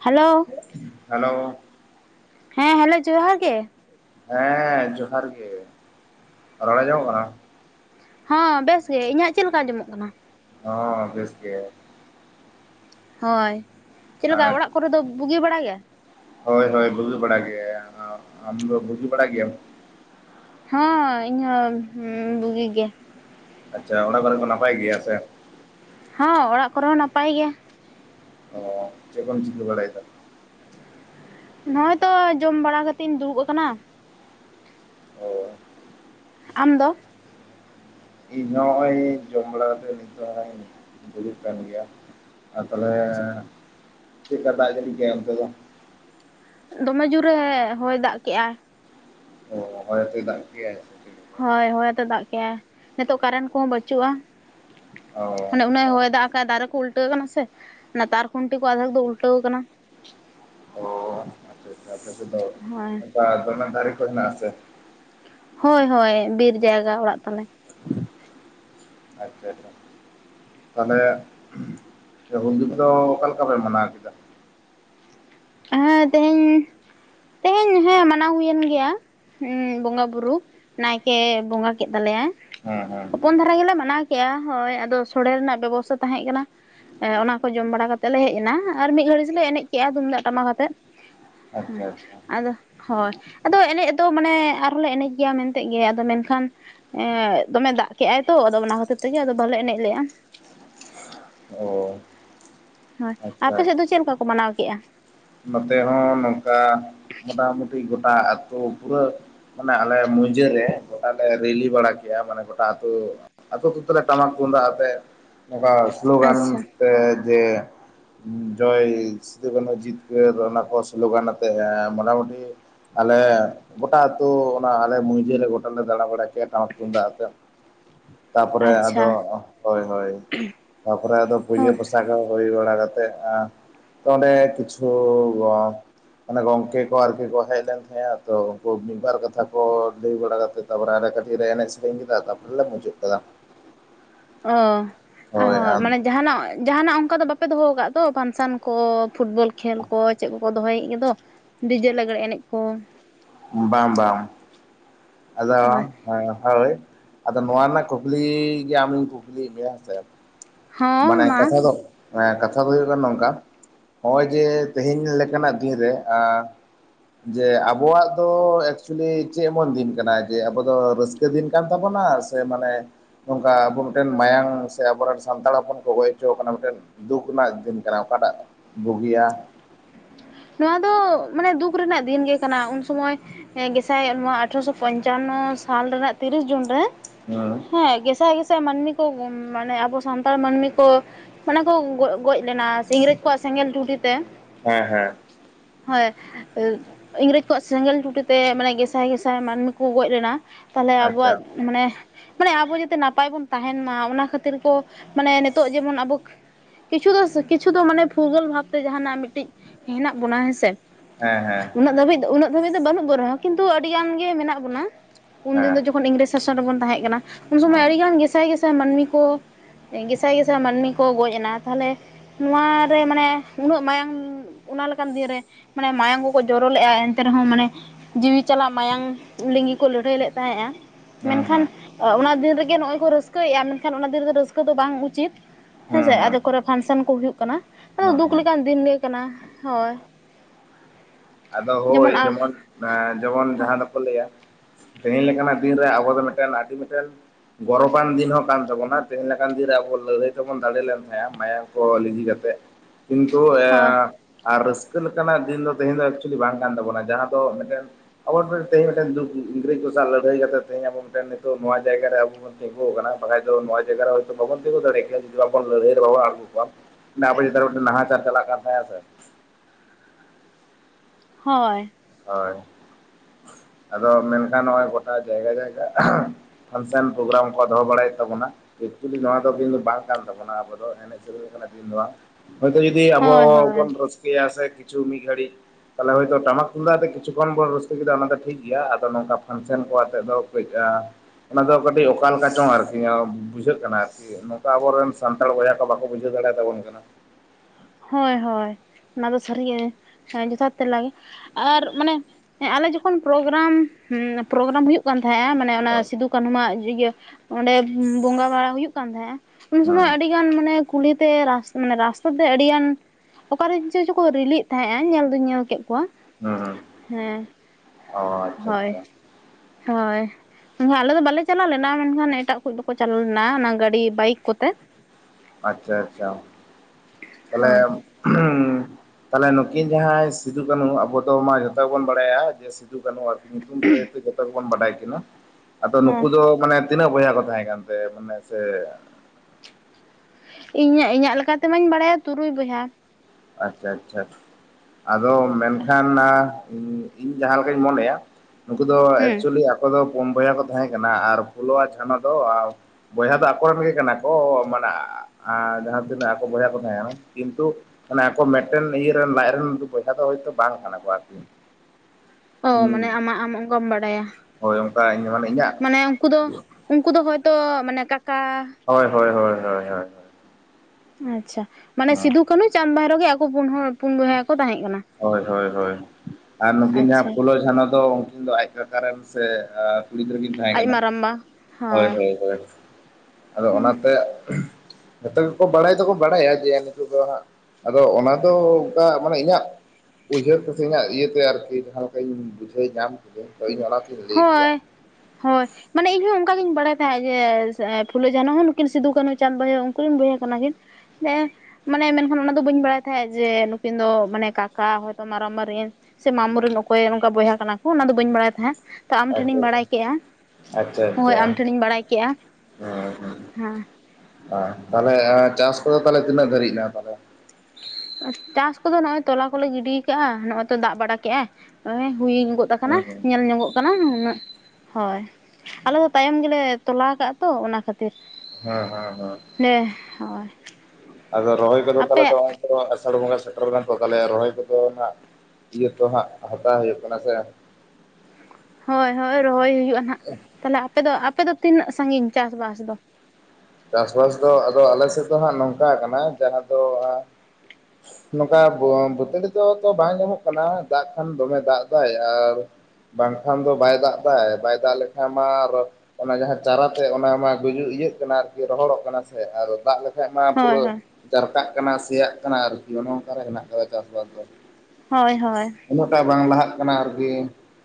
Hello hello ᱦᱮᱸ hello ᱡᱚᱦᱟᱨ ᱜᱮ ᱦᱮᱸ ᱡᱚᱦᱟᱨ ᱜᱮ ᱨᱚᱲᱮ ᱧᱟᱢᱚᱜ ᱠᱟᱱᱟ? ᱦᱚᱸᱸ ᱵᱮᱥ ᱜᱮ ᱤᱧᱟᱹᱜ ᱪᱮᱫ ᱞᱮᱠᱟ ᱡᱚᱢᱚᱜ ᱠᱟᱱᱟ? ᱦᱟᱸ ᱵᱮᱥ ᱜᱮ ᱦᱳᱭ ᱪᱮᱫ ᱞᱮᱠᱟ ᱟᱨ ᱚᱲᱟᱜ ᱠᱚᱨᱮ ᱫᱚ ᱵᱩᱜᱤ ᱵᱟᱲᱟᱭ ᱜᱮᱭᱟ᱾ ᱦᱳᱭ ᱦᱳᱭ ᱵᱩᱡᱩ ᱵᱟᱲᱟ ᱜᱮ ᱟᱢ ᱫᱚ ᱵᱩᱡᱩ ᱵᱟᱲᱟ ᱜᱮᱭᱟᱢ ᱦᱚᱸ ᱤᱧ ᱦᱚᱸ ᱵᱩᱜᱤ ᱜᱮ ᱟᱪᱪᱷᱟ ᱚᱱᱟ ᱠᱚᱨᱮ ᱠᱚ ᱱᱟᱯᱟᱭ ᱜᱮᱭᱟ ᱥᱮ ᱦᱚᱸ ᱚᱲᱟᱜ ᱠᱚᱨᱮ ᱦᱚᱸ ᱱᱟᱯᱟᱭ ᱜᱮᱭᱟ ᱚ ᱪᱮᱫ ᱠᱚᱢ ᱪᱤᱠᱟ ᱵᱟᱲᱟᱭ ᱮᱫᱟ? ᱱᱚᱜ ᱚᱚᱭ ᱛᱚ ᱡᱚᱢ ᱵᱟᱲᱟ ᱠᱟᱛᱮ ᱤᱧ ᱫᱩᱲᱩᱵ ᱟᱠᱟᱱᱟ᱾ ᱦᱳ ᱟᱢ ᱫᱚ? ᱤᱧ ᱱᱚᱜᱼᱚᱭ ᱡᱚᱢ ᱵᱟᱲᱟ ᱠᱟᱛᱮᱮᱫ ᱱᱤᱛᱚᱜ ᱦ ᱫᱩᱲᱩᱯ ᱠᱟᱱ ᱜᱮᱭᱟ ᱟᱨ ᱛᱟᱦᱚᱞᱮ ᱪᱮᱫᱠᱟ ᱫᱟᱜ ᱡᱟᱹᱱᱤ ᱜᱮ ᱚᱱᱛᱮ ᱫᱚ? ᱫᱚᱢᱮ ᱡᱳᱨᱮ ᱦᱚᱭ ᱫᱟᱜ ᱠᱮᱜᱟᱭ᱾ ᱚ ᱦᱚᱭ ᱜᱮ ᱫᱟᱜ ᱠᱮᱫᱟ᱾ ᱦᱳᱭ ᱦᱳᱭ ᱟᱫᱚ ᱫᱟᱜ ᱜᱮᱜᱟᱭ ᱱᱤᱛᱚᱜ ᱠᱟᱨᱮᱱᱴ ᱠᱚᱦᱚᱸ ᱵᱟᱪᱩᱜᱼᱟ᱾ ᱚ ᱢᱟᱱᱮ ᱟᱪᱪᱷᱟ ᱦᱚᱭ ᱫᱟᱜ ᱟᱠᱟ ᱫᱟᱨᱮ ᱠᱚ ᱩᱞᱴᱟᱹᱣ ᱠᱟᱱᱟ ᱥᱮ ᱛᱟᱨ ᱠᱷᱩᱱᱴᱤ ᱠᱚ ᱟᱫᱷᱮᱠ ᱫᱚ ᱩᱞᱴᱟᱹᱣ ᱟᱠᱟᱱᱟ᱾ ᱚ ᱟᱪᱪᱷᱟ ᱟᱪᱪᱷᱟ ᱦᱳᱭ ᱟ ᱫᱚᱢᱮ ᱫᱟᱨ ᱠᱚ ᱢᱮᱱᱟᱜ ᱟ ᱥᱮ? ᱦᱳᱭ ᱦᱳᱭ ᱵᱤᱨ ᱡᱟᱭᱜᱟ ᱚᱲᱟᱜ ᱛᱟᱞᱮ ᱟᱪᱪᱷᱟ ᱟᱪᱪᱷᱟ ᱛᱟᱦᱚᱞᱮ ᱦᱚᱞ ᱫᱤᱣᱚᱥ ᱠᱚᱫᱚ ᱚᱠᱟᱮ ᱞᱮᱠᱟ ᱯᱮ ᱢᱟᱱᱟᱣ ᱠᱮᱫᱟ? ᱦᱮᱸ ᱛᱮᱦᱮᱧ ᱛᱮᱦᱮᱧ ᱦᱮᱸ ᱢᱟᱱᱟᱣ ᱦᱩᱭᱮᱱ ᱜᱮᱭᱟ᱾ ᱦᱮᱸ ᱵᱚᱸᱜᱟ ᱵᱩᱨᱩ ᱱᱟᱭᱠᱮ ᱵᱚᱸᱜᱟ ᱠᱮᱫ ᱛᱟᱞᱮᱭᱟᱭ ᱦᱮᱸ ᱦᱮᱸ ᱦᱚᱯᱚᱱ ᱫᱷᱟᱨᱟ ᱜᱮᱞᱮ ᱢᱟᱱᱟᱣ᱾ ᱦᱳᱭ ᱟᱫᱚ ᱥᱚᱲᱮ ᱨᱮᱱᱟᱜ ᱵᱮᱵᱚᱥ ᱛᱟ ᱛᱟᱦᱮᱸ ᱠᱟᱱᱟ᱾ ᱚᱱᱟ ᱠᱚ ᱡᱚᱢ ᱵᱟᱲᱟ ᱠᱟᱛᱮᱜ ᱞᱮ ᱦᱮᱡ ᱮᱱᱟ ᱟᱨ ᱢᱤᱫ ᱜᱷᱲᱤᱡ ᱞᱮ ᱮᱱᱮᱡ ᱠᱮᱜᱼᱟᱩᱢᱫᱟᱜ ᱴᱟᱢ᱾ ᱴᱟᱢᱟᱠ ᱠᱟᱛᱮᱜ ᱦᱮᱸ ᱟᱪᱪᱷᱟ ᱟᱪᱪᱷᱟ ᱟᱫᱚ ᱦᱳᱭ ᱟᱫᱚ ᱮᱱᱮᱡ ᱫᱚ ᱢᱟᱱᱮ ᱟᱨᱦᱚᱸᱞᱮ ᱮᱱᱮᱡ ᱜᱮᱭᱟ ᱢᱮᱱᱛᱮ ᱜᱮ ᱟᱫᱚ ᱢᱮᱱᱠᱷᱟᱱ ᱮ ᱫᱚᱢᱮ ᱫᱟᱜ ᱠᱮᱫᱮᱜᱟᱭ ᱛᱚ ᱟᱫᱚ ᱚᱱᱟ ᱠᱷᱟᱹᱛᱤᱨ ᱛᱮᱜᱮ ᱟᱫᱚ ᱵᱟᱞᱮ ᱮᱱᱮᱡ ᱞᱮᱼᱟ᱾ ᱚ ᱦᱳᱭ ᱟᱪᱪᱷᱟ ᱟᱯᱮ ᱥᱮᱫ ᱫᱚ ᱪᱮᱫ ᱞᱮᱠᱟ ᱠᱚ ᱢᱟᱱᱟᱣ ᱠᱮᱫᱮᱜᱼᱟ? ᱱᱚᱛᱮ ᱦᱚᱸ ᱱᱚᱝᱠᱟ ᱢᱚᱴᱟ ᱢᱩᱴᱤ ᱜᱚᱴᱟ ᱟᱹᱛᱩ ᱯᱩᱨᱟᱹ ᱢᱟᱱᱮ ᱟᱞᱮ ᱢᱩᱡᱟᱹᱨᱮ ᱜᱚᱴᱟ ᱞᱮ ᱨᱤᱞᱤ ᱵᱟᱲᱟᱠᱮᱜᱼᱟ ᱢᱟᱱᱮ ᱜᱚᱴᱟ ᱟᱹᱛᱩ ᱟᱹᱛᱩ ᱟᱹᱛᱩ ᱛᱮᱞᱮ ᱴᱟᱢᱟᱠ ᱛᱩᱢᱫᱟᱜ ᱟᱛᱮ ᱱᱚᱝᱠᱟ ᱥᱞᱳᱜᱟᱱ ᱟᱪᱪᱷᱟ ᱨᱮ ᱡᱮ ᱡᱚᱭ ᱥᱤᱫᱩ ᱠᱟᱹᱱᱩ ᱡᱤᱛ ᱠᱟᱹᱨ ᱚᱱᱟ ᱠᱚ ᱥᱞᱳᱜᱟᱱ ᱟᱛᱮ ᱢᱚᱴᱟ ᱢᱩᱴᱤ ᱟᱞᱮ ᱜᱚᱴᱟ ᱟᱹᱛᱩ ᱚᱱᱟ ᱟᱞᱮ ᱢᱟᱺᱡᱷᱤ ᱨᱮ ᱜᱚᱴᱟᱞ ᱞᱮ ᱫᱟᱬᱟ ᱵᱟᱲᱟᱭ ᱠᱮᱼᱟ ᱴᱟᱢᱟᱠ ᱛᱩᱢᱫᱟᱜ ᱟᱛᱮ᱾ ᱛᱟᱯᱚᱨᱮ ᱟᱪᱪᱷᱟ ᱟᱫᱚ ᱦᱳᱭ ᱦᱳᱭ ᱛᱟᱯᱚᱨᱮ ᱟᱫᱚ ᱯᱩᱭᱡᱟᱹ ᱦᱚᱸ ᱯᱟᱥᱟ ᱠᱚ ᱦᱩᱭ ᱵᱟᱲᱟ ᱠᱟᱛᱮᱜ ᱟᱸ ᱚᱸᱰᱮ ᱠᱤᱪᱷᱩ ᱚᱱᱮ ᱜᱚᱝᱠᱮ ᱠᱚ ᱟᱨᱠᱤ ᱠᱚ ᱦᱮᱡ ᱞᱮᱱ ᱛᱟᱦᱮᱸᱼᱟ ᱛᱚ ᱩᱱᱠᱩ ᱢᱤᱫ ᱵᱟᱨ ᱠᱟᱛᱷᱟ ᱠᱚ ᱞᱟᱹᱭ ᱵᱟᱲᱟ ᱠᱟᱛᱮ᱾ ᱛᱟᱯᱚᱨ ᱟᱞᱮ ᱠᱟᱹᱴᱤᱡ ᱨᱮ ᱮᱱᱮᱡ ᱥᱮᱨᱮᱧ ᱠᱮᱫᱟ ᱛᱟᱯᱚᱨ ᱞᱮ ᱢᱩᱡᱟᱹᱫ ᱠᱮᱫᱟ᱾ ᱚ ᱦᱳᱭ ᱦᱚᱸ ᱢᱟᱱᱮ ᱡᱟᱦᱟᱱᱟᱜ ᱡᱟᱦᱟᱱᱟᱜ ᱚᱱᱠᱟ ᱫᱚ ᱵᱟᱯᱮ ᱫᱚᱦᱚ ᱟᱠᱟᱫ ᱛᱚ ᱯᱷᱟᱱᱥᱮᱱ ᱠᱚ ᱯᱷᱩᱴᱵᱚᱞ ᱠᱷᱮᱞ ᱠᱚ ᱪᱮᱫ ᱠᱚᱠᱚ ᱫᱚᱦᱚᱭᱮᱫ ᱜᱮᱫᱚ? ᱰᱤᱡᱮ ᱞᱟᱜᱽᱲᱮ ᱮᱱᱮᱡ ᱠᱚ᱾ ᱵᱟᱝ ᱵᱟᱝ᱾ ᱟᱷᱟ ᱦᱳᱭ ᱦᱮᱸ ᱦᱳᱭ ᱟᱫᱚ ᱱᱚᱣᱟ ᱨᱮᱱᱟᱜ ᱠᱩᱠᱞᱤ ᱜᱮ ᱟᱢᱤᱧ ᱠᱩᱠᱞᱤᱭ ᱢᱮᱭᱟ ᱦᱮ ᱥᱮ? ᱦᱚᱸ ᱢᱟᱱᱮ ᱢᱟ ᱠᱟᱛᱷᱟ ᱫᱚ ᱢᱟ ᱠᱟᱛᱷᱟ ᱫᱚ ᱦᱩᱭᱩᱜ ᱠᱟᱱᱟ ᱱᱚᱝᱠᱟ ᱱᱚᱜ ᱚᱭ ᱡᱮ ᱛᱮᱦᱮᱧ ᱞᱮᱠᱟᱱᱟᱜ ᱫᱤᱱᱨᱮ ᱡᱮ ᱟᱵᱚᱣᱟᱜ ᱫᱚ ᱮᱠᱪᱮᱞᱤ ᱪᱮᱫ ᱮᱢᱚᱱ ᱫᱤᱱ ᱠᱟᱱᱟ ᱡᱮ ᱟᱵᱚ ᱫᱚ ᱨᱟᱹᱥᱠᱟᱹ ᱟᱹ ᱫᱤᱱ ᱠᱟᱱ ᱛᱟᱵᱚᱱᱟ ᱥᱮ ᱢᱟᱱᱮ ᱱᱚᱝᱠᱟ ᱟᱵᱚ ᱢᱤᱫᱴᱮᱱ ᱢᱟᱭᱟᱝ ᱥᱮ ᱟᱵᱚᱨᱮᱱ ᱥᱟᱱᱛᱟᱲ ᱦᱚ ᱯᱚᱱ ᱠᱚ ᱜᱚᱡ ᱦᱚᱪᱚ ᱠᱟᱱᱟ ᱢᱤᱫᱴᱮᱱ ᱫᱩᱠ ᱨᱮᱱᱟᱜ ᱫᱤᱱ ᱠᱟᱱᱟ ᱚᱠᱟᱴᱟᱜ ᱵᱩᱜᱤᱭᱟ? ᱱᱚᱣᱟ ᱫᱚ ᱢᱟᱱᱮ ᱫᱩᱠ ᱨᱮᱱᱟᱜ ᱫᱤᱱ ᱜᱮ ᱠᱟᱱᱟ ᱩᱱ ᱥᱚᱢᱚᱭ ᱜᱮᱥᱟᱭ ᱱᱚᱣᱟ ᱟᱴᱷᱨᱚᱥᱚ ᱯᱚᱧᱪᱟᱱᱚ ᱥᱟᱞ ᱨᱮᱱᱟᱜ ᱛᱤᱨᱤᱥ ᱡᱩᱱ ᱨᱮ ᱦᱮᱸ ᱦᱮᱸ ᱜᱮᱥᱟᱭ ᱜᱮᱥᱟᱭ ᱢᱟᱹᱱᱢᱤ ᱠᱚ ᱢᱟᱱᱮ ᱟᱵᱚ ᱥᱟᱱᱛᱟᱲ ᱢᱟᱹᱱᱢᱤ ᱠᱚ ᱢᱟᱱᱮ ᱠᱚ ᱜᱚᱡ ᱞᱮᱱᱟ ᱥᱮ ᱤᱝᱨᱮᱡᱽ ᱠᱚᱣᱟᱜ ᱥᱮᱸᱜᱮᱞ ᱴᱩᱴᱤ ᱛᱮ ᱦᱮᱸ ᱦᱮᱸ ᱦᱳᱭ ᱤᱝᱨᱮᱡᱽ ᱠᱚᱣᱟᱜ ᱥᱮᱸᱜᱮᱞ ᱴᱩᱴᱤᱛᱮ ᱢᱟᱱᱮ ᱜᱮᱥᱟᱭ ᱜᱮᱥᱟᱭ ᱢᱟᱹᱱᱢᱤ ᱠᱚ ᱜᱚᱡ ᱞᱮᱱᱟ ᱛᱟᱦᱚᱞᱮ ᱟᱪᱪᱷᱟ ᱟᱵᱚᱣᱟᱜ ᱢᱟᱱᱮ ᱢᱟᱱᱮ ᱟᱵᱚ ᱡᱟᱛᱮ ᱱᱟᱯᱟᱭ ᱵᱚᱱ ᱛᱟᱦᱮᱱ ᱢᱟ ᱚᱱᱟ ᱠᱷᱟᱹᱛᱤᱨ ᱠᱚ ᱢᱟᱱᱮ ᱱᱤᱛᱚᱜ ᱡᱮᱢᱚᱱ ᱟᱵᱚ ᱠᱤᱪᱷᱩ ᱫᱚ ᱠᱤᱪᱷᱩ ᱫᱚ ᱢᱟᱱᱮ ᱯᱷᱩᱨᱩᱜᱟᱹᱞ ᱵᱷᱟᱵᱽᱛᱮ ᱡᱟᱦᱟᱱᱟᱜ ᱢᱤᱫᱴᱤᱡ ᱦᱮᱱᱟᱜ ᱵᱚᱱᱟ ᱦᱮᱸᱥᱮ, ᱦᱮᱸ ᱦᱮᱸ ᱩᱱᱟᱹᱜ ᱫᱷᱟᱹᱵᱤᱡ ᱫᱚ ᱩᱱᱟ ᱢᱟᱫᱽᱫᱷᱚᱢᱤᱠ ᱫᱚ ᱵᱟᱹᱱᱩᱜ ᱠᱚ ᱨᱮᱦᱚᱸ ᱠᱤᱱᱛᱩ ᱟᱹᱰᱤ ᱜᱟᱱ ᱜᱮ ᱢᱮᱱᱟᱜ ᱵᱚᱱᱟ᱾ ᱩᱱᱫᱤᱱ ᱦᱮᱸ ᱫᱚ ᱡᱚᱠᱷᱚᱱ ᱤᱝᱨᱮᱡᱽ ᱥᱟᱥᱚᱱ ᱨᱮᱵᱚᱱ ᱛᱟᱦᱮᱸ ᱠᱟᱱᱟ ᱩᱱ ᱥᱚᱢᱚᱭ ᱦᱩᱸ ᱟᱹᱰᱤ ᱜᱟᱱ ᱜᱮᱥᱟᱭ ᱜᱮᱥᱟᱭ ᱢᱟᱹᱱᱢᱤ ᱠᱚ ᱜᱮᱥᱟᱭ ᱜᱮᱥᱟᱭ ᱢᱟᱹᱱᱢᱤ ᱠᱚ ᱜᱚᱡ ᱮᱱᱟ ᱛᱟᱦᱚᱞᱮ, ᱱᱚᱟ ᱨᱮ ᱢᱟᱱᱮ ᱩᱱᱟᱹᱜ ᱢᱟᱭᱟᱝ ᱚᱱᱟ ᱞᱮᱠᱟᱱ ᱫᱤᱱ ᱨᱮ ᱢᱟᱱᱮ ᱢᱟᱭᱟᱝ ᱠᱚᱠᱚ ᱡᱚᱨᱚᱼᱟ ᱮᱱᱛᱮ ᱨᱮᱦᱚᱸ ᱢᱟᱱᱮ ᱡᱤᱣᱤ ᱪᱟᱟᱜ ᱢᱟᱭᱟᱝ ᱞᱤᱸᱜᱤ ᱠᱚ ᱞᱟᱹᱲᱦᱟᱹᱭ ᱞᱮᱫ ᱛᱟᱦᱮᱸᱼᱟ ᱦᱩᱸ ᱢᱮᱱᱠᱷᱟᱱ ᱚᱱᱟ ᱫᱤᱱ ᱨᱮᱜᱮ ᱱᱚᱜ ᱚᱚᱭ ᱠᱚ ᱨᱟᱹᱥᱠᱟᱹᱭᱮᱫᱼᱟ ᱢᱮᱱᱠᱷᱟᱱ ᱚᱱᱟ ᱫᱤᱱ ᱨᱮᱫᱚ ᱨᱟᱹᱥᱠᱟᱹ ᱫᱚ ᱵᱟᱝ ᱩᱪᱤᱛ ᱦᱩᱸ ᱦᱮᱸᱥᱮ ᱟᱫᱮ ᱦᱩᱸ ᱠᱚᱨᱮ ᱯᱷᱟᱱᱥᱮᱱ ᱠᱚ ᱦᱩᱭᱩᱜ ᱠᱟᱱᱟ ᱟᱫᱚ ᱦᱩᱸ ᱫᱩᱠ ᱦᱩᱸ ᱞᱮᱠᱟᱱ ᱫᱤᱱ ᱜᱮ ᱠᱟᱱᱟ᱾ ᱦᱳᱭ ᱟᱫᱚ ᱦᱳᱭ ᱡᱮᱢᱚᱱ ᱡᱮᱢᱚᱱ ᱡᱟᱦᱟᱸ ᱫᱚᱠᱚ ᱞᱟᱹᱭᱟ ᱛᱮᱦᱮᱧ ᱞᱮᱠᱟᱱᱟᱜ ᱫᱤᱱ ᱨᱮ ᱟᱵᱚ ᱫᱚ ᱢᱤᱫᱴᱮᱱ ᱟᱹᱰᱤ ᱢᱤᱫᱴᱮᱱ ᱜᱚᱨᱚᱵᱟᱱ ᱫᱤᱱ ᱦᱚᱸ ᱠᱟᱱ ᱛᱟᱵᱚᱱᱟ ᱛᱮᱦᱮᱧ ᱞᱮᱠᱟᱱ ᱫᱤᱱ ᱨᱮ ᱟᱵᱚ ᱞᱟᱹᱲᱦᱟᱹᱭ ᱛᱮᱵᱚᱱ ᱫᱟᱲᱮ ᱞᱮᱱ ᱛᱟᱦᱮᱸᱜᱼᱟ ᱢᱟᱭᱟᱝ ᱠᱚ ᱞᱤᱸᱜᱤ ᱠᱟᱛᱮᱜ ᱠᱤᱱᱛᱩ ᱦᱳᱭ ᱮᱭᱟᱜ ᱟᱨ ᱨᱟᱹᱥᱠᱟᱹ ᱞᱮᱠᱟᱱᱟᱜ ᱫᱤᱱ ᱫᱚ ᱛᱮᱦᱮᱧ ᱫᱚ ᱮᱠ ᱪᱩᱞᱤ ᱵᱟᱝ ᱠᱟᱱ ᱛᱟᱵᱚᱱᱟ ᱡᱟᱦᱟᱸ ᱫᱚ ᱢᱤᱫᱴᱮᱱ ᱟᱵᱚ ᱛᱮᱦᱮᱧᱴᱮᱱ ᱫᱩᱠ ᱤᱝᱨᱮᱡᱽ ᱠᱚ ᱥᱟᱶ ᱞᱟᱹᱲᱦᱟᱹᱭ ᱠᱟᱛᱮ ᱛᱮᱦᱮᱧ ᱟᱚᱜ ᱱᱚᱣᱟ ᱡᱟᱭᱜᱟ ᱨᱮ ᱟᱵᱚ ᱵᱚ ᱛᱤᱸᱜᱩ ᱟᱠᱟᱱᱟ ᱵᱟᱠᱷᱟᱱ ᱫᱚ ᱱᱚᱣᱟ ᱡᱟᱭᱜᱟ ᱨᱮᱳᱭᱛᱚ ᱵᱟᱵ ᱛᱤᱜᱩ ᱫᱟᱲᱮᱭᱟᱜ ᱠᱮᱭᱟ ᱡᱩᱫᱤ ᱵᱟᱵᱚᱱ ᱞᱟᱹᱲᱦᱟᱹᱭ ᱨᱮ ᱵᱟᱵᱚᱱ ᱟᱜᱩ ᱠᱚᱣᱟ᱾ ᱚᱱᱮ ᱟᱵᱚ ᱪᱮᱛᱟᱱᱨᱮ ᱢᱤᱫᱴᱮᱱ ᱱᱟᱦᱟᱪᱟᱨ ᱪᱟᱞᱟᱜᱠᱟᱱ ᱛᱟᱦᱮᱫ ᱥᱮ᱾ ᱦᱳᱭ ᱦᱳᱭ ᱟᱫᱚ ᱢᱮᱱᱠᱷᱟᱱ ᱱᱚᱜᱼᱚᱭ ᱜᱚᱴᱟ ᱡᱟᱭᱜᱟ ᱡᱟᱭᱜᱟ ᱯᱷᱟᱱᱥᱮᱱ ᱯᱨᱳᱜᱨᱟᱢ ᱠᱚ ᱫᱚᱦᱚ ᱵᱟᱲᱟᱭᱮᱫ ᱛᱟᱵᱚᱱᱟ ᱮᱠᱪᱩᱞᱤ ᱱᱚᱣᱟ ᱫᱚ ᱫᱤᱱ ᱫᱩ ᱵᱟᱝ ᱠᱟᱱ ᱛᱟᱵᱚᱱᱟ ᱟᱵᱚ ᱫᱚ ᱮᱱᱮᱡ ᱥᱮ ᱥᱮᱨᱮᱧ ᱞᱮᱠᱟᱱᱟᱜ ᱫᱤᱱ ᱱᱚᱣᱟ ᱦᱚᱭᱛᱚ ᱡᱩᱚᱫᱤ ᱟᱵᱚ ᱦᱳᱭ ᱦᱳᱭ ᱵᱚᱱ ᱨᱟᱹᱥᱠᱟᱹᱭᱟ ᱥᱮ ᱠᱤᱪᱷᱩ ᱢᱤᱫ ᱜᱷᱟᱹᱲᱤᱡ ᱛᱟᱦᱚᱞᱮ ᱦᱚᱭᱛᱚ ᱴᱟᱢᱟᱠ ᱛᱩᱢᱫᱟᱜᱛᱮ ᱠᱤᱪᱷᱩ ᱠᱷᱚᱱ ᱵᱚᱱ ᱛᱩᱢᱫᱟᱜ ᱟᱛᱮ ᱠᱤᱪᱷᱩ ᱠᱚᱢ ᱨᱟᱹᱥᱠᱟᱹ ᱠᱮᱫᱟ ᱚᱱᱟ ᱫᱚ ᱴᱷᱤᱠ ᱜᱮᱭᱟ ᱟᱫᱚ ᱱᱚᱝᱠᱟ ᱯᱷᱟᱱᱥᱮᱱ ᱠᱚ ᱟᱛᱮᱫ ᱫᱚ ᱠᱟᱹᱡ ᱚᱱᱟ ᱫᱚ ᱠᱟᱹᱴᱤᱡ ᱚᱠᱟ ᱞᱮᱠᱟ ᱪᱚᱝ ᱟᱨᱠᱤ ᱵᱩᱡᱷᱟᱹᱜ ᱠᱟᱱᱟ ᱟᱨᱠᱤ ᱛᱚ ᱟᱵᱚᱨᱮᱱ ᱥᱟᱱᱛᱟᱲ ᱵᱚᱭᱦᱟ ᱠᱚ ᱵᱟᱠᱚ ᱵᱩᱡᱷᱟᱹᱣ ᱫᱟᱲᱮᱭᱟ ᱛᱟᱵᱚᱱ ᱠᱟᱱᱟ᱾ ᱦᱳᱭ ᱦᱳᱭ ᱚᱱᱟ ᱫᱚ ᱥᱟᱹᱨᱤᱜᱮ ᱚᱱᱟᱫᱚ ᱡᱚᱛᱷᱟᱛ ᱛᱮᱞᱟ ᱜᱮ ᱟᱨ ᱢᱟᱱᱮ ᱟᱞᱮ ᱡᱚᱠᱷᱚᱱ ᱯᱨᱳᱜᱨᱟᱢ ᱯᱨᱳᱜᱨᱟᱢ ᱦᱩᱭᱩᱜ ᱠᱟᱱ ᱛᱟᱦᱮᱸᱜᱼᱟ ᱢᱟᱱᱮ ᱚᱱᱮ ᱚᱱᱟ ᱦᱳᱭ ᱥᱤᱫᱩᱠᱱᱩᱣᱟᱜ ᱤᱭᱟᱹ ᱚᱸᱰᱮ ᱵᱚᱸᱜᱟ ᱵᱟᱲᱟ ᱦᱩᱭᱩᱜ ᱠᱟᱱ ᱛᱟᱦᱮᱸᱼᱟ ᱩᱱ ᱥᱚᱢᱚᱭ ᱦᱩᱸ ᱟᱹᱰᱤ ᱜᱟᱱ ᱢᱟᱱᱮ ᱠᱩᱞᱦᱤᱛᱮ ᱢᱟᱱᱮ ᱨᱟᱥᱛᱟ ᱢᱟᱱᱮ ᱨᱟᱥᱛᱟ ᱛᱮ ᱟᱹᱰᱤᱜᱟᱱ ᱚᱠᱟᱨᱮᱱ ᱡᱚᱠᱚ ᱨᱤᱞᱤᱮᱫ ᱛᱟᱦᱮᱸᱟ ᱧᱮᱞ ᱫᱩᱧ ᱧᱮᱞ ᱠᱮᱫ ᱠᱚᱣᱟ᱾ ᱦᱩᱸ ᱦᱩᱸ ᱦᱮᱸ ᱚ ᱟᱪᱪᱷᱟ ᱦᱳᱭ ᱟᱪᱪᱷᱟ ᱦᱳᱭ ᱮᱱᱠᱷᱟᱱ ᱟᱞᱮ ᱫᱚ ᱵᱟᱞᱮ ᱪᱟᱞᱟᱣ ᱞᱮᱱᱟ ᱢᱮᱱᱠᱷᱟᱱ ᱮᱴᱟᱜ ᱠᱚ ᱫᱚᱠᱚ ᱪᱟᱞᱟᱣ ᱞᱮᱱᱟ ᱚᱱᱟ ᱜᱟᱹᱰᱤ ᱵᱟᱭᱤᱠ ᱠᱚᱛᱮ ᱟᱪᱪᱷᱟ ᱟᱪᱪᱷᱟ ᱛᱟᱦᱚᱞᱮ ᱦᱳᱭ ᱦᱩᱸ ᱛᱟᱦᱚᱞᱮ ᱱᱩᱠᱤᱱ ᱡᱟᱦᱟᱸᱭ ᱥᱤᱫᱩ ᱠᱟᱹᱱᱦᱩ ᱟᱵᱚ ᱫᱚ ᱢᱟ ᱡᱷᱚᱛᱚ ᱜᱮᱵᱚᱱ ᱵᱟᱲᱟᱭᱟ ᱡᱮᱩ ᱥᱤᱫᱷᱩ ᱠᱟᱹᱱᱦᱩ ᱟᱨᱠᱤ ᱧᱩᱛᱩᱢ ᱛᱮᱫᱚ ᱡᱚᱛᱚ ᱜᱮᱵᱚᱱ ᱵᱟᱰᱟᱭ ᱠᱤᱱᱟ ᱟᱫᱚ ᱦᱮᱸ ᱱᱩᱠᱩ ᱫᱚ ᱢᱟᱱᱮ ᱛᱤᱱᱟᱹᱜ ᱵᱚᱭᱦᱟ ᱠᱚ ᱛᱟᱦᱮᱸ ᱠᱟᱱᱛᱮ ᱢᱟᱱᱮ ᱥᱮ ᱤᱧᱟᱹᱜ ᱤᱧᱟᱹᱜ ᱞᱮᱠᱟ ᱞᱮᱠᱟᱛᱮᱢᱟᱧ ᱵᱟᱲᱟᱭᱟ ᱛᱩᱨᱩᱭ ᱵᱚᱭᱦᱟ ᱟᱪᱪᱷᱟ ᱟᱪᱪᱷᱟ ᱟᱫᱚ ᱢᱮᱱᱠᱷᱟᱱ ᱤᱧ ᱡᱟᱦᱟᱸ ᱞᱮᱠᱟᱧ ᱢᱚᱱᱮᱭᱟ ᱱᱩᱠᱩ ᱫᱚ ᱦᱩᱸ ᱮᱠᱪᱩᱭᱮᱞᱤ ᱟᱠᱚ ᱫᱚ ᱯᱩᱱ ᱵᱚᱭᱦᱟ ᱠᱚ ᱛᱟᱦᱮᱸ ᱠᱟᱱᱟ ᱟᱨ ᱯᱷᱩᱞᱚ ᱟᱨ ᱡᱷᱟᱱᱚ ᱫᱚ ᱵᱚᱭᱦᱟ ᱫᱚ ᱟᱠᱚᱨᱮᱱ ᱜᱮ ᱠᱟᱱᱟ ᱠᱚ ᱢᱟᱱᱮ ᱡᱟᱦᱟᱸ ᱛᱤᱱᱟᱹᱜ ᱟᱠᱚ ᱵᱚᱭᱦᱟ ᱠᱚ ᱛᱟᱦᱮᱠᱟᱱᱟ ᱠᱤᱱᱛᱩ ᱢᱟᱱᱮ ᱟᱠᱚ ᱢᱤᱫᱴᱮᱱ ᱤᱭᱟᱹᱟᱹᱨ ᱨᱮᱱ ᱞᱟᱡ ᱨᱮᱱ ᱫᱚ ᱵᱚᱭᱥᱟ ᱫᱚ ᱦᱚᱭᱛᱚ ᱵᱟᱝ ᱠᱟᱱᱟ ᱠᱚ ᱟᱨᱠᱤ᱾ ᱚ ᱤᱧ ᱢᱟᱱᱮ ᱟᱢᱟᱜ ᱟᱢ ᱚᱱᱠᱟᱢ ᱵᱟᱰᱟᱭᱟ᱾ ᱦᱳᱭ ᱚᱱᱠᱟ ᱤᱧ ᱢᱟᱱᱮ ᱤᱧᱟᱹᱜ ᱢᱟᱱᱮ ᱩᱱᱠᱩ ᱫᱚ ᱩᱱᱠᱩ ᱫᱚ ᱦᱚᱭᱛᱚ ᱢᱟᱱᱮ ᱠᱟᱠᱟ ᱦᱚᱭ ᱦᱚᱭ ᱦᱚᱭ ᱦᱚᱭ ᱟᱪᱪᱷᱟ ᱢᱟᱱᱮ ᱦᱮᱸ ᱥᱤᱫᱩ ᱠᱟᱹᱱᱦᱩ ᱪᱟᱸᱫᱽ ᱵᱦᱟᱭᱨᱚ ᱜᱮ ᱟᱠᱚ ᱯᱩᱱ ᱦᱚᱲ ᱯᱩᱱ ᱵᱚᱭᱦᱟ ᱜᱮᱠᱚ ᱛᱟᱦᱮᱸ ᱠᱟᱱᱟ᱾ ᱦᱳᱭ ᱦᱳᱭ ᱦᱳᱭ ᱟᱨ ᱱᱩᱠᱤᱱ ᱡᱟᱦᱟᱸᱭ ᱟᱪᱪᱷᱟ ᱯᱷᱩᱞᱚ ᱡᱷᱟᱱᱚ ᱫᱚ ᱩᱱᱠᱤᱱ ᱫᱚ ᱟᱡ ᱠᱟᱠᱟ ᱨᱮᱱ ᱥᱮ ᱟᱨ ᱠᱩᱲᱤ ᱜᱤᱫᱽᱨᱟᱹ ᱜᱤ ᱛᱟᱦᱮᱸ ᱟᱡ ᱠᱟᱱᱟ ᱢᱟᱨᱟᱢᱵᱟ ᱦᱳᱭ ᱦᱳᱭ ᱟᱫᱚ ᱦᱩᱸ ᱚᱱᱟᱛᱮ ᱡᱚᱛᱚ ᱜᱮᱠᱚ ᱵᱟᱲᱟᱭ ᱫᱚᱠᱚ ᱵᱟᱲᱟᱭᱟ ᱡᱮ ᱱᱤᱛᱚᱜ ᱫᱚ ᱦᱟᱸᱜ ᱟᱫᱚ ᱚᱱᱟ ᱫᱚ ᱚᱱᱠᱟ ᱢᱟᱱᱮ ᱤᱧᱟᱹᱜ ᱩᱭᱦᱟᱹᱨ ᱛᱮ ᱥᱮ ᱤᱧᱟᱹᱜ ᱤᱭᱟᱹᱛᱮ ᱟᱨᱠᱤ ᱡᱟᱦᱟᱸ ᱞᱮᱠᱟᱤᱧ ᱵᱩᱡᱷᱟᱹᱣ ᱧᱟᱢ ᱠᱤᱫᱟᱹᱧ ᱛᱚ ᱤᱧ ᱚᱱᱟᱛᱤᱧ ᱞᱟᱹᱭ ᱠᱮᱫᱟ ᱦᱳᱭ ᱦᱳᱭ ᱢᱟᱱᱮ ᱤᱧᱦᱚᱸ ᱚᱱᱠᱟ ᱜᱤᱧ ᱵᱟᱲᱟᱭ ᱛᱟᱦᱮᱸᱜ ᱡᱮ ᱯᱷᱩᱞᱟᱹ ᱡᱷᱟᱱᱚ ᱦᱚᱸ ᱱᱩᱠᱤᱱ ᱥᱤᱫᱩ ᱠᱟᱹᱱᱦᱩ ᱪᱟᱸᱫ ᱵᱷᱟᱭᱨᱚ ᱩᱱᱠᱩᱨᱤᱱ ᱵᱚᱭᱦᱟ ᱠᱟᱱᱟ ᱠᱤᱱ ᱢᱮ ᱢᱟᱱᱮ ᱢᱮᱱᱠᱷᱟᱱ ᱚᱱᱟ ᱫᱚ ᱵᱟᱹᱧ ᱵᱟᱲᱟᱭ ᱛᱟᱦᱮᱸᱫ ᱡᱮ ᱱᱩᱠᱤᱱ ᱫᱚ ᱢᱟᱱᱮ ᱠᱟᱠᱟ ᱦᱚᱭᱛᱳ ᱢᱟᱨᱟᱝ ᱵᱟᱨᱤᱱ ᱥᱮ ᱢᱟᱢᱳ ᱨᱮᱱ ᱚᱠᱚᱭ ᱚᱱᱠᱟ ᱵᱚᱭᱦᱟ ᱠᱟᱱᱟ ᱠᱚ ᱚᱱᱟ ᱫᱚ ᱵᱟᱹᱧ ᱵᱟᱲᱟᱭ ᱛᱟᱦᱮᱸᱫ᱾ ᱛᱚ ᱟᱢ ᱟᱪᱪᱷᱟ ᱴᱷᱮᱱᱤᱧ ᱵᱟᱲᱟᱭ ᱠᱮᱫᱼᱟ ᱟᱪᱪᱷᱟ ᱦᱳᱭ ᱟᱪᱪᱷᱟ ᱟᱢ ᱴᱷᱮᱱᱤᱧ ᱵᱟᱲᱟᱭ ᱠᱮᱫᱼᱟ ᱦᱮᱸ ᱛᱟᱚᱞᱦᱮ ᱪᱟᱥ ᱠᱚᱫᱚ ᱛᱟᱞᱦᱮ ᱛᱤᱱᱟᱹᱜ ᱫᱷᱟᱹᱨᱤᱡ ᱮᱱᱟ ᱛᱟᱞᱦᱮ ᱪᱟᱥ ᱠᱚᱫᱚ ᱱᱚᱜᱼᱚᱭ ᱛᱚᱞᱟ ᱠᱚᱞᱮ ᱜᱤᱰᱤ ᱠᱟᱜᱼᱟ ᱱᱚᱜᱼᱚᱭ ᱛᱚ ᱫᱟᱜ ᱵᱟᱲᱟ ᱠᱮᱜᱼᱟ ᱱᱚᱜᱚᱭ ᱦᱩᱭᱮᱱ ᱜᱚᱫ ᱦᱮᱸ ᱟᱠᱟᱱᱟ ᱦᱮᱸ ᱧᱮᱞ ᱧᱚᱜ ᱠᱟ ᱠᱟᱱᱟ ᱱᱩᱱᱟᱹᱜ ᱦᱳᱭ ᱟᱞᱮ ᱫᱚ ᱛᱟᱭᱚᱢ ᱜᱮᱞᱮ ᱛᱚᱞᱟ ᱠᱟᱜᱼᱟ ᱛᱚ ᱚᱱᱟ ᱠᱷᱟᱹᱛᱤᱨ᱾ ᱦᱚᱸ ᱦᱚᱸ ᱦᱚᱸ ᱦᱮᱸ ᱦᱳᱭ ᱾ ᱟᱫᱚ ᱨᱚᱦᱚᱭ ᱠᱚᱫᱚ ᱯᱟᱞᱮᱫᱚᱜ ᱟᱥᱟᱲ ᱵᱚᱸᱜᱟ ᱥᱮᱴᱮᱨᱟᱠᱱ ᱛᱚ ᱛᱟᱦᱚᱞᱮ ᱨᱚᱦᱚᱭ ᱠᱚᱫᱚ ᱦᱟᱜ ᱤᱭᱟᱹ ᱠᱚ ᱦᱟᱸᱜ ᱦᱟᱛᱟᱣ ᱦᱩᱭᱩᱜ ᱠᱟᱱᱟ ᱥᱮ ᱦᱳᱭ ᱦᱳᱭ ᱨᱚᱦᱚᱭ ᱦᱩᱭᱩᱜᱼᱟ ᱱᱟᱸᱜ, ᱛᱟᱦᱚᱞᱮ ᱟᱯᱮ ᱫᱚ ᱟᱯᱮ ᱫᱚ ᱛᱤᱱᱟᱹᱜ ᱥᱟᱺᱜᱤᱧ ᱪᱟᱥᱵᱟᱥ ᱫᱚ? ᱪᱟᱥᱵᱟᱥ ᱫᱚ ᱟᱫᱚ ᱟᱞᱮ ᱥᱮᱫ ᱫᱚ ᱱᱟᱜ ᱱᱚᱝᱠᱟ ᱟᱠᱟᱱᱟ ᱡᱟᱦᱟᱸ ᱫᱚᱼᱼ ᱱᱚᱝᱠᱟ ᱵᱷᱟᱹᱛᱟᱹᱲᱤ ᱫᱚ ᱵᱟᱭ ᱧᱟᱢᱚᱜ ᱠᱟᱱᱟ, ᱫᱟᱜ ᱠᱷᱟᱱ ᱫᱚᱢᱮ ᱫᱟᱜ ᱮᱫᱟᱭ ᱟᱨᱼᱼ ᱵᱟᱝᱠᱷᱟᱱ ᱫᱚ ᱵᱟᱭ ᱫᱟᱜ ᱮᱫᱟ ᱵᱟᱭ ᱫᱟᱜ ᱞᱮᱠᱷᱟᱱ ᱢᱟᱼᱼ ᱚᱱᱟ ᱡᱟᱦᱟᱸ ᱪᱟᱨᱟᱛᱮᱜ ᱚᱱᱟ ᱢᱟ ᱜᱩᱡᱩᱜ ᱤᱭᱟᱹᱜ ᱠᱟᱱᱟ ᱾ ᱨᱚᱦᱚᱲᱚᱜ ᱠᱟᱱᱟ ᱥᱮ, ᱟᱨ ᱫᱟᱜ ᱞᱮᱠᱟᱡ ᱢᱟ ᱦᱳᱭ ᱯᱩᱨᱟᱹᱼᱼ ᱦᱳᱭ ᱡᱟᱨᱠᱟᱜ ᱠᱟᱱᱟ ᱥᱮᱭᱟᱜ ᱠᱟᱱᱟ ᱟᱨ ᱡᱚ ᱚᱱᱠᱟᱨᱮ ᱦᱮᱱᱟᱜ ᱛᱟᱞᱮ ᱪᱟᱥᱵᱟᱥ ᱫᱚ ᱾ ᱦᱚᱭ ᱦᱚᱭ ᱩᱱᱟᱹᱜᱴᱟᱜ ᱵᱟᱝ ᱞᱟᱦᱟᱜ ᱠᱟᱱᱟ ᱟᱨᱠᱤ,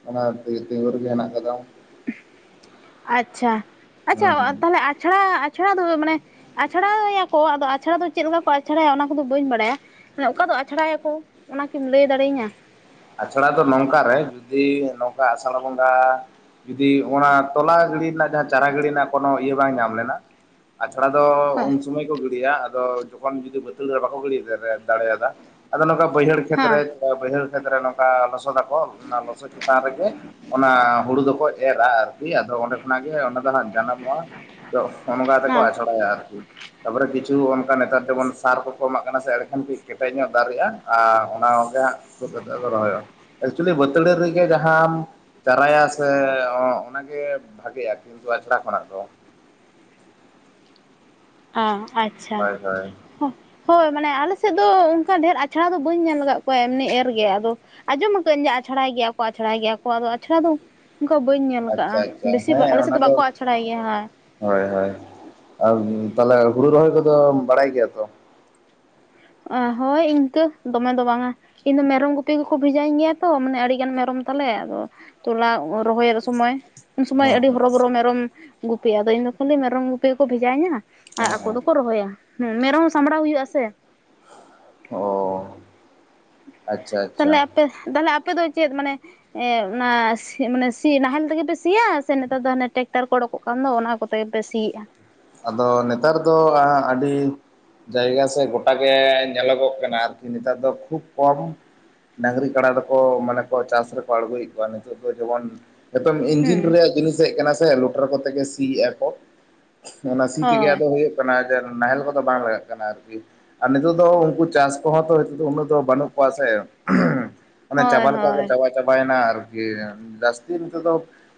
ᱚᱱᱟ ᱛᱮ ᱛᱤᱸᱜᱩ ᱨᱮᱜᱮ ᱦᱮᱱᱟᱜ ᱠᱟᱫᱟ ᱾ ᱟᱪᱪᱷᱟ ᱟᱪᱪᱷᱟ ᱦᱩᱸ ᱛᱟᱦᱞᱮ ᱟᱪᱷᱲᱟ ᱟᱪᱲᱟ ᱫᱚ ᱢᱟᱱᱮ ᱟᱪᱷᱲᱟᱭᱟᱠᱚ ᱟᱫᱚ ᱟᱪᱷᱲᱟ ᱫᱚ ᱪᱮᱫ ᱞᱮᱠᱟ ᱠᱚ ᱟᱪᱷᱲᱟᱭᱟ ᱚᱱᱟ ᱠᱚᱫᱚ ᱵᱟᱹᱧ ᱵᱟᱲᱟᱭᱟ ᱾ ᱢᱟᱱᱮ ᱚᱠᱟ ᱫᱚ ᱟᱪᱷᱲᱟᱭᱟᱠᱚ ᱚᱱᱟᱠᱤᱢ ᱞᱟᱹᱭ ᱫᱟᱲᱮᱭᱟᱹᱧᱟᱹ? ᱟᱪᱲᱟ ᱫᱚ ᱱᱚᱝᱠᱟᱨᱮ ᱡᱩᱫᱤ ᱱᱚᱝᱠᱟ ᱟᱥᱟᱲ ᱵᱚᱸᱜᱟ ᱡᱩᱫᱤ ᱚᱱᱟ ᱛᱚᱞᱟ ᱜᱟᱹᱲᱤ ᱨᱮᱱᱟᱜ ᱡᱟᱦᱟᱸ ᱪᱟᱨᱟ ᱜᱟᱹᱲᱤ ᱨᱮᱱᱟᱜ ᱠᱳᱱᱚ ᱤᱭᱟᱹ ᱵᱟᱝ ᱧᱟᱢ ᱞᱮᱱᱟ, ᱟᱪᱷᱟᱲᱟ ᱫᱚ ᱦᱮᱸ ᱩᱱᱼᱼ ᱥᱚᱢᱚᱭ ᱠᱚ ᱜᱤᱰᱤᱭᱟ ᱾ ᱟᱫᱚ ᱡᱚᱠᱷᱚᱱ ᱡᱩᱫᱤ ᱵᱟᱹᱛᱟᱹᱲᱤ ᱨᱮ ᱵᱟᱠᱚ ᱜᱤᱰᱤ ᱫᱟᱲᱮᱭᱟᱫᱟ ᱟᱫᱚ ᱱᱚᱝᱠᱟ ᱵᱟᱹᱭᱦᱟᱹᱲᱼᱼ ᱠᱷᱮᱛᱨᱮ ᱨᱮ ᱦᱮᱸ ᱪᱮ ᱵᱟᱹᱭᱦᱟᱹᱲ ᱠᱷᱮᱛ ᱨᱮ ᱱᱚᱝᱠᱟ ᱞᱚᱥᱚᱫᱟᱠᱚ ᱚᱱᱟ ᱞᱚᱥᱚᱫ ᱪᱮᱛᱟᱱ ᱨᱮᱜᱮ ᱚᱱᱟ ᱦᱩᱲᱩ ᱫᱚᱠᱚ ᱮᱨᱟ ᱟᱨᱠᱤ ᱾ ᱦᱳᱭ ᱟᱫᱚ ᱚᱸᱰᱮ ᱠᱷᱚᱱᱟᱜ ᱜᱮ ᱚᱸᱰᱮ ᱫᱚ ᱦᱟᱸᱜ ᱡᱟᱱᱟᱢᱚᱜᱼᱟ, ᱛᱚ ᱚᱱᱠᱟ ᱛᱮᱠᱚ ᱦᱮᱸ ᱟᱪᱷᱲᱟᱭᱟ ᱟᱨᱠᱤ ᱾ ᱛᱟᱨᱯᱚᱨᱮ ᱠᱤᱪᱷᱩ ᱚᱱᱠᱟ ᱱᱮᱛᱟᱨ ᱡᱮᱢᱚᱱ ᱥᱟᱨ ᱠᱚᱠᱚ ᱮᱢᱟᱜ ᱠᱟᱱᱟ ᱥᱮ ᱮᱸᱰᱮᱠᱷᱚᱱ ᱠᱟᱹᱡ ᱠᱮᱴᱮᱡ ᱧᱚᱜ ᱫᱟᱨᱮᱜᱼᱟ ᱟᱨ ᱚᱱᱟ ᱠᱚᱜᱮᱦᱟᱸᱜᱼᱼ ᱛᱩᱫ ᱠᱟᱛᱮ ᱠᱚ ᱨᱚᱦᱚᱭᱼᱟ ᱾ ᱮᱠᱪᱩᱞᱤ ᱵᱟᱹᱛᱟᱹᱲᱤ ᱨᱮᱜᱮ ᱡᱟᱦᱟᱸᱢᱼᱼ ᱪᱟᱨᱟᱭᱟ ᱥᱮ ᱚᱱᱟᱜᱮ ᱵᱷᱟᱜᱤᱜᱼᱟ ᱠᱤᱱᱛᱩ ᱟᱪᱷᱟᱲᱟ ᱠᱷᱚᱱᱟᱜ ᱫᱚ ᱾ ᱚ ᱟᱪᱪᱷᱟ ᱦᱳᱭ ᱦᱳᱭ ᱾ ᱦᱚᱸ ᱦᱳᱭ ᱢᱟᱱᱮ ᱟᱞᱮ ᱥᱮᱫ ᱫᱚ ᱚᱱᱠᱟ ᱰᱷᱮᱨ ᱟᱪᱷᱟᱲᱟ ᱫᱚ ᱵᱟᱹᱧ ᱧᱮᱞ ᱟᱠᱟᱫ ᱠᱚᱣᱟ ᱮᱢᱱᱤ ᱮᱨ ᱜᱮ, ᱟᱫᱚᱼᱼ ᱟᱸᱡᱚᱢ ᱟᱹᱠᱟᱹᱧ ᱟᱪᱷᱲᱟᱭ ᱜᱮᱭᱟ ᱠᱚ ᱟᱪᱷᱲᱟᱭ ᱜᱮᱭᱟ ᱠᱚ ᱟᱫᱚ ᱟᱪᱲᱟ ᱫᱚᱼᱼ ᱚᱱᱠᱟ ᱵᱟᱹᱧ ᱧᱮᱞ ᱟᱠᱟᱼᱟ ᱟᱪᱪᱷᱟ ᱟᱪᱪᱷᱟ ᱵᱮᱥᱤ ᱦᱮᱸ ᱟᱞᱮ ᱥᱮᱫ ᱚᱱᱟ ᱫᱚ ᱵᱟᱠᱚ ᱟᱪᱷᱲᱟᱭ ᱜᱮᱭᱟ ᱦᱮᱸ᱾ ᱦᱳᱭ ᱦᱳᱭ ᱟᱨ ᱛᱟᱦᱚᱞᱮ ᱦᱩᱲᱩ ᱨᱚᱦᱚᱭ ᱠᱚᱫᱚ ᱵᱟᱲᱟᱭ ᱜᱮᱭᱟ ᱛᱚ ᱾ ᱦᱳᱭ ᱤᱱᱠᱟᱹ ᱫᱚᱢᱮ ᱫᱚ ᱵᱟᱝᱟ ᱾ ᱤᱧᱫᱚ ᱢᱮᱨᱚᱢ ᱜᱩᱯᱤ ᱜᱮᱠᱚ ᱵᱷᱮᱡᱟᱤᱧ ᱜᱮᱭᱟ ᱛᱚ, ᱢᱟᱱᱮ ᱟᱹᱰᱤᱜᱟᱱ ᱢᱮᱨᱚᱢ ᱛᱟᱞᱮ ᱟᱫᱚᱼᱼ ᱛᱚᱞᱟ ᱨᱚᱦᱚᱭᱮᱫ ᱥᱚᱢᱚᱭ ᱩᱱ ᱥᱚᱢᱚᱭ ᱦᱮᱸ ᱟᱹᱰᱤ ᱦᱮᱸ ᱦᱚᱨᱚᱵᱚᱨᱚ ᱢᱮᱨᱚᱢ ᱜᱩᱯᱤ ᱟᱫᱚ ᱤᱧ ᱫᱚ ᱠᱷᱟᱹᱞᱤ ᱢᱮᱨᱚᱢ ᱜᱩᱯᱤᱠᱚ ᱵᱷᱮᱡᱟᱤᱧᱟᱹ ᱾ ᱟᱨ ᱦᱮᱸ ᱟᱠᱚ ᱦᱮᱸ ᱫᱚᱠᱚ ᱨᱚᱦᱚᱭᱟ, ᱦᱩᱸ ᱢᱮᱨᱚᱢ ᱦᱚᱸ ᱥᱟᱢᱵᱲᱟᱣ ᱦᱩᱭᱩᱜᱼᱟ ᱥᱮ ᱾ ᱚᱻ ᱟᱪᱪᱷᱟ ᱟᱪᱪᱷᱟ ᱛᱟᱦᱚᱞᱮ ᱟᱯᱮ ᱛᱟᱦᱚᱞᱮ ᱟᱯᱮ ᱫᱚ ᱪᱮᱫ ᱢᱟᱱᱮᱼᱼ ᱮᱸ ᱚᱱᱟ ᱢᱟᱱᱮ ᱥᱤ ᱱᱟᱦᱮᱞ ᱛᱮᱜᱮ ᱯᱮ ᱥᱤᱭᱟ ᱥᱮ ᱱᱮᱛᱟᱨ ᱫᱚ ᱦᱟᱱᱮ ᱴᱮᱠᱴᱟᱨ ᱠᱚ ᱚᱰᱳᱠᱚᱜᱼᱼ ᱟᱠᱟᱱ ᱫᱚ ᱚᱱᱟ ᱠᱚᱛᱮ ᱯᱮ ᱥᱤᱭᱮᱫᱼᱟ ᱾ ᱟᱫᱚ ᱱᱮᱛᱟᱨ ᱫᱚ ᱦᱟᱜ ᱟᱹᱰᱤᱼᱼ ᱡᱟᱭᱜᱟ ᱥᱮ ᱜᱚᱴᱟ ᱜᱮ ᱧᱮᱞᱚᱜᱚᱜ ᱠᱟᱱᱟ ᱟᱨᱠᱤ ᱱᱮᱛᱟᱨ ᱫᱚ ᱠᱷᱩᱵ ᱠᱚᱢ ᱰᱟᱹᱝᱨᱤ ᱠᱟᱰᱟ ᱫᱚᱠᱚ ᱢᱟᱱᱮ ᱠᱚ ᱪᱟᱥ ᱨᱮᱠᱚ ᱟᱬᱜᱚᱭᱮᱫ ᱠᱚᱣᱟ, ᱱᱤᱛᱚᱜ ᱫᱚ ᱡᱮᱢᱚᱱᱼᱼ ᱱᱤᱛᱚᱝ ᱤᱧᱡᱤᱱ ᱦᱩᱸ ᱨᱮᱭᱟᱜ ᱡᱤᱱᱤᱥ ᱦᱮᱡ ᱟᱠᱟᱱᱟ ᱥᱮ ᱞᱚᱴᱟᱨ ᱠᱚᱛᱮ ᱜᱮ ᱥᱤᱮᱭᱟ ᱠᱚ, ᱚᱱᱟ ᱥᱤ ᱛᱮᱜᱮ ᱦᱳᱭ ᱟᱫᱚ ᱦᱩᱭᱩᱜ ᱠᱟᱱᱟ ᱱᱟᱦᱮᱞ ᱠᱚᱫᱚ ᱵᱟᱝ ᱞᱟᱜᱟᱜ ᱠᱟᱱᱟ ᱟᱨᱠᱤ ᱾ ᱟᱨ ᱱᱤᱛᱚᱜ ᱫᱚ ᱩᱱᱠᱩ ᱪᱟᱥ ᱠᱚᱦᱚᱸ ᱛᱚ ᱩᱱᱟᱹᱜ ᱫᱚ ᱵᱟᱹᱱᱩᱜ ᱠᱚᱣᱟ ᱥᱮ ᱾ ᱚᱱᱮ ᱦᱳᱭ ᱪᱟᱵᱟ ᱞᱮᱠᱟ ᱠᱚ ᱦᱳᱭ ᱪᱟᱵᱟ ᱪᱟᱵᱟᱭᱮᱱᱟ ᱟᱨᱠᱤ ᱡᱟᱹᱥᱛᱤ ᱱᱤᱛᱚᱜ ᱫᱚᱼᱼ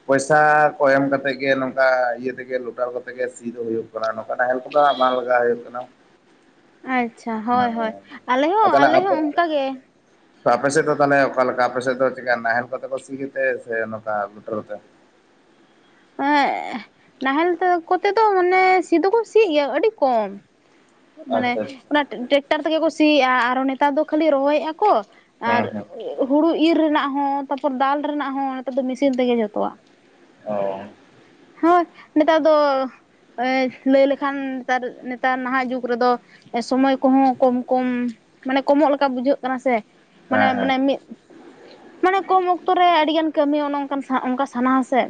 ᱯᱚᱭᱥᱟ ᱠᱚ ᱮᱢ ᱠᱟᱛᱮ ᱜᱮ ᱱᱚᱝᱠᱟ ᱤᱭᱟᱹ ᱛᱮᱜᱮ ᱞᱚᱴᱟᱨ ᱠᱟᱛᱮᱼᱼ ᱛᱮᱜᱮ ᱥᱤ ᱫᱚ ᱦᱩᱭᱩᱜ ᱠᱟᱱᱟ, ᱱᱚᱝᱠᱟ ᱱᱟᱦᱮᱞ ᱠᱚᱫᱚ ᱵᱟᱝ ᱞᱟᱜᱟᱣ ᱦᱩᱭᱩᱜ ᱠᱟᱱᱟ ᱾ ᱟᱪᱪᱷᱟ ᱦᱚᱭ ᱦᱚᱭ ᱟᱞᱮ ᱦᱚᱸ ᱟᱨ ᱛᱟᱦᱚᱞᱮ ᱟᱞᱮ ᱦᱚᱸ ᱟᱯᱮ ᱚᱱᱠᱟᱜᱮ ᱾ ᱛᱚ ᱟᱯᱮ ᱥᱮᱫ ᱫᱚ ᱛᱟᱦᱚᱞᱮ ᱚᱠᱟ ᱞᱮᱠᱟᱹ ᱟᱼᱯᱮ ᱥᱮᱫ ᱫᱚ ᱪᱮᱠᱟ ᱱᱟᱦᱮᱞ ᱠᱚᱸᱛᱮ ᱠᱚ ᱥᱤ ᱛᱮ ᱥᱮ ᱱᱚᱝᱹᱠᱟ ᱞᱩᱴᱟᱹᱨ ᱛᱮ ᱾ ᱮ ᱱᱟᱦᱮᱞ ᱠᱚᱸᱛᱮ ᱫᱚ ᱢᱟᱱᱮ ᱥᱤ ᱫᱚ ᱠᱚ ᱥᱤ ᱜᱮᱭᱟ ᱟᱹᱰᱤ ᱠᱚᱢ ᱾ ᱢᱟᱱᱮ ᱟᱪᱪᱷᱟ ᱟᱪᱪᱷᱟ ᱚᱱᱮ ᱴᱮᱠᱴᱟᱨ ᱛᱮᱸᱜᱮ ᱠᱚ ᱥᱤᱭᱮᱼᱟ, ᱟᱨᱚ ᱱᱮᱛᱟᱨ ᱫᱚ ᱠᱷᱟᱹᱞᱤ ᱨᱚᱦᱚᱭᱮᱫ ᱟᱠ ᱠᱚ ᱾ ᱟᱨ ᱦᱮᱸ ᱦᱮᱸ ᱦᱩᱲᱩ ᱤᱨ ᱨᱮᱱᱟᱼᱜ ᱦᱚᱸ ᱛᱟᱨᱯᱚᱨ ᱫᱟᱞ ᱨᱮᱹᱱᱟᱜ ᱦᱚᱸ ᱱᱮᱛᱟᱨ ᱫᱚ ᱢᱮᱥᱤᱱ ᱛᱮᱸᱜᱮ ᱡᱚᱛᱚᱣᱟᱼᱜ ᱾ ᱚᱻ ᱦᱳᱭ ᱱᱮᱛᱟᱨ ᱫᱚ ᱞᱟᱹᱭ ᱞᱮᱠᱷᱟᱱ ᱱᱮᱛᱟᱨ ᱱᱮᱛᱟᱨ ᱱᱟᱦᱟᱜ ᱡᱩᱜᱽ ᱠᱚᱨᱮᱹ ᱫᱚ ᱥᱚᱢᱚᱼᱭ ᱠᱚᱠᱚᱸ ᱠᱚᱢ ᱠᱚᱢ ᱢᱟᱹᱱᱮ ᱠᱚᱢᱚᱹᱜ ᱞᱮᱠᱟᱹ ᱵᱩᱡᱷᱟᱹᱜ ᱠᱟᱱᱟᱹ ᱥᱮ ᱢᱟᱱᱮ ᱦᱮᱸ ᱢᱟᱱᱮ ᱦᱮᱸ ᱢᱤᱫ ᱢᱟᱹᱱᱮ ᱠᱚᱢ ᱚᱼᱠᱛᱚ ᱨᱮ ᱟᱹᱰᱤ ᱜᱟᱱ ᱠᱟᱹᱢᱤ ᱚᱼᱱᱮ ᱚᱱᱠ ᱚᱱᱠᱟᱹ ᱥᱟᱱᱼᱟ ᱥᱮ᱾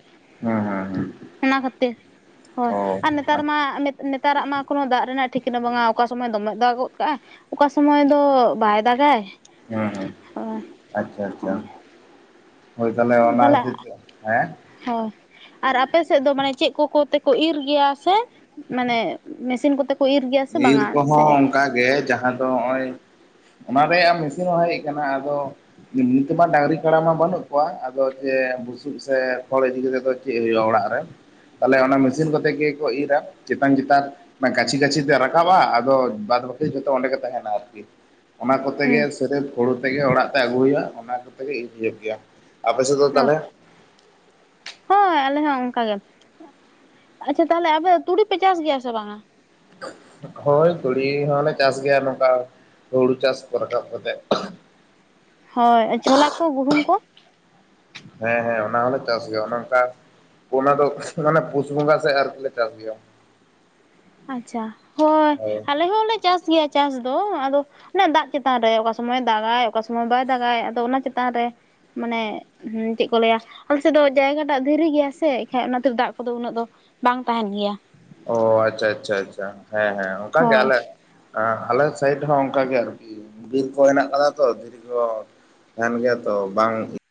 ᱦᱮᱸᱻ ᱚᱱᱟᱹ ᱠᱷᱟᱹᱛᱤᱨ ᱦᱳᱭᱸ ᱟᱨ ᱱᱮᱛᱟᱨᱹ ᱢᱟ ᱱᱮᱛᱟᱨᱟᱹᱜ ᱢᱟ ᱠᱳᱱᱚ ᱫᱟᱜ ᱨᱮᱹᱱᱟᱜ ᱴᱷᱤᱠᱹ ᱠᱤᱱᱹ ᱵᱟᱝᱼᱟ ᱚᱠᱟ ᱥᱚᱢᱚᱼᱭ ᱫᱚᱢᱮ ᱫᱟᱜ ᱜᱚᱫ ᱠᱟᱜᱟᱼᱭ ᱚᱠᱟ ᱥᱚᱢᱚᱼᱭ ᱫᱚ ᱵᱟᱭ ᱫᱟᱜᱟᱭ᱾ ᱦᱮᱸᱻ ᱦᱳᱭ ᱟᱪᱪᱷᱟ ᱟᱪᱪᱷᱟ᱾ ᱦᱳᱭ ᱦᱳᱭ ᱛᱟᱦᱚᱞᱮ ᱚᱱᱟ ᱠᱷᱟᱛᱤᱨ ᱛᱮ, ᱦᱮᱸ ᱦᱮᱸ ᱟᱨ ᱟᱯᱮ ᱥᱮᱫ ᱫᱚ ᱢᱟᱱᱮ ᱪᱮᱫ ᱠᱚ ᱛᱮᱠᱚ ᱤᱨ ᱜᱮᱭᱟ ᱥᱮ? ᱢᱟᱱᱮ ᱢᱮᱥᱤᱱ ᱠᱚᱛᱮ ᱠᱚ ᱤᱨ ᱜᱮᱭᱟ ᱥᱮ ᱤᱨ ᱵᱟᱝᱟ ᱥᱮ ᱠᱚᱦᱚᱸ ᱚᱱᱠᱟ ᱜᱮ ᱡᱟᱦᱟᱸ ᱫᱚ ᱱᱚᱜᱼᱚᱭ ᱚᱱᱟ ᱨᱮᱭᱟᱜ ᱢᱮᱥᱤᱱ ᱦᱚᱸ ᱦᱮᱡ ᱟᱠᱟᱱᱟ ᱟᱫᱚ ᱱᱤᱛ ᱢᱟ ᱰᱟᱹᱝᱨᱤ ᱠᱟᱲᱟ ᱢᱟ ᱵᱟᱹᱱᱩᱜ ᱠᱚᱣᱟ ᱟᱫᱚ ᱡᱮ ᱵᱩᱥᱩᱵ ᱥᱮ ᱠᱷᱚᱲ ᱤᱫᱤ ᱠᱟᱛᱮᱫ ᱫᱚ ᱪᱮᱫ ᱦᱩᱭᱩᱜᱼᱟ ᱚᱲᱟᱜ ᱨᱮ, ᱛᱟᱦᱚᱸᱞᱮ ᱚᱱᱟ ᱢᱮᱥᱤᱱ ᱠᱚ ᱠᱟᱛᱮ ᱜᱮᱠᱚ ᱤᱨᱟ ᱪᱮᱛᱟᱱ ᱪᱮᱛᱟᱱ ᱜᱟᱹᱪᱷᱤ ᱜᱟᱹᱪᱷᱤ ᱨᱟᱠᱟᱵᱼᱟ ᱟᱫᱚ ᱵᱟᱫ ᱵᱟᱹᱠᱤ ᱡᱚᱛᱚ ᱚᱸᱰᱮ ᱜᱮ ᱛᱟᱦᱮᱱᱟ ᱟᱨᱠᱤ, ᱚᱱᱟ ᱠᱚᱛᱮ ᱜᱮ ᱦᱩᱸ ᱥᱮᱨᱮᱯ ᱦᱳᱲᱩ ᱛᱮᱜᱮ ᱚᱲᱟᱼᱜ ᱛᱮ ᱟᱹᱜᱩ ᱦᱩᱭᱩᱜᱼᱟ ᱚᱱᱟ ᱠᱚᱛᱮᱜᱮ ᱜᱮᱭᱟ ᱟᱯᱮᱥᱮᱫ ᱫᱚ ᱚ ᱛᱟᱦᱚᱞᱮ? ᱦᱳᱭ ᱟᱞᱮ ᱦᱚᱸ ᱚᱱᱠᱟᱜ ᱜᱮ ᱟᱪᱷᱟ ᱛᱟᱦᱚᱞᱮ ᱟᱯᱮ ᱛᱩᱲᱤ ᱯᱮ ᱪᱟᱥ ᱜᱮᱭᱟ ᱥᱮ ᱵᱟᱝᱟ? ᱦᱳᱭ ᱛᱩᱲᱤ ᱦᱚᱸᱞᱮ ᱪᱟᱥ ᱜᱮᱭᱟ ᱱᱚᱝᱠᱟ ᱦᱩᱲᱩ ᱪᱟᱥ ᱠᱚ ᱨᱟᱠᱟᱵ ᱠᱟᱛᱮᱜ᱾ ᱦᱳᱭ ᱪᱷᱚᱞᱟ ᱠᱚ ᱜᱩᱦᱩᱢ ᱠᱚ ᱦᱮᱸ ᱦᱮᱸ ᱚᱱᱟᱦᱚᱞᱮ ᱪᱟᱥ ᱜᱮᱭᱟ ᱚᱱᱮ ᱚᱱᱠᱟ ᱚᱱᱟ ᱫᱚ ᱢᱟᱱᱮ ᱯᱩᱥ ᱵᱚᱜᱟ ᱥᱮᱫ ᱟᱨᱠᱤ ᱞᱮ ᱪᱟᱥ ᱜᱮᱭᱟ᱾ ᱟᱪᱷᱟ ᱦᱳᱭ ᱟᱞᱮ ᱦᱚᱸᱞᱮ ᱪᱟᱥ ᱜᱮᱭᱟ ᱪᱟᱥ ᱫᱚ ᱟᱫᱚ ᱚᱱᱟ ᱫᱟᱜ ᱪᱮᱛᱟᱱ ᱨᱮ ᱚᱠᱟ ᱥᱚᱢᱚᱭ ᱫᱟᱜᱟᱭ ᱚᱠᱟ ᱥᱚᱢᱚᱭ ᱵᱟᱭ ᱫᱟᱜᱟᱭ ᱟᱫᱚ ᱚᱱᱟ ᱪᱮᱛᱟᱱ ᱨᱮ᱾ ᱢᱟᱱᱮ ᱦᱮᱸ ᱪᱮᱫ ᱠᱚ ᱞᱟᱹᱭᱟ ᱟᱞᱮᱥᱮᱫ ᱫᱚ ᱡᱟᱭᱜᱟᱴᱟᱜ ᱫᱷᱤᱨᱤ ᱜᱮᱭᱟ ᱥᱮ ᱮᱱᱠᱷᱟᱡ ᱚᱱᱟᱛᱮ ᱫᱟᱜ ᱠᱚᱫᱚ ᱩᱱᱟᱹᱜ ᱫᱚ ᱵᱟᱝ ᱛᱟᱦᱮᱸᱱ ᱜᱮᱭᱟ᱾ ᱚ ᱟᱪᱷᱟ ᱟᱪᱷᱟ ᱟᱪᱷᱟ ᱦᱮᱸ ᱦᱮᱸ ᱚᱱᱠᱟ ᱜᱮ ᱦᱳᱭ ᱟᱞᱮ ᱟᱸᱜ ᱟᱞᱮ ᱥᱟᱭᱤᱰ ᱦᱚᱸ ᱚᱱᱠᱟᱜ ᱜᱮ ᱟᱨᱠᱤ ᱵᱤᱨ ᱠᱚ ᱦᱮᱱᱟᱜ ᱟᱠᱟᱫᱟ ᱛᱚ ᱫᱷᱤᱨᱤ ᱠᱚ ᱛᱟᱦᱮᱱᱹ ᱜᱮᱭᱟ ᱛᱚ ᱵᱟᱝ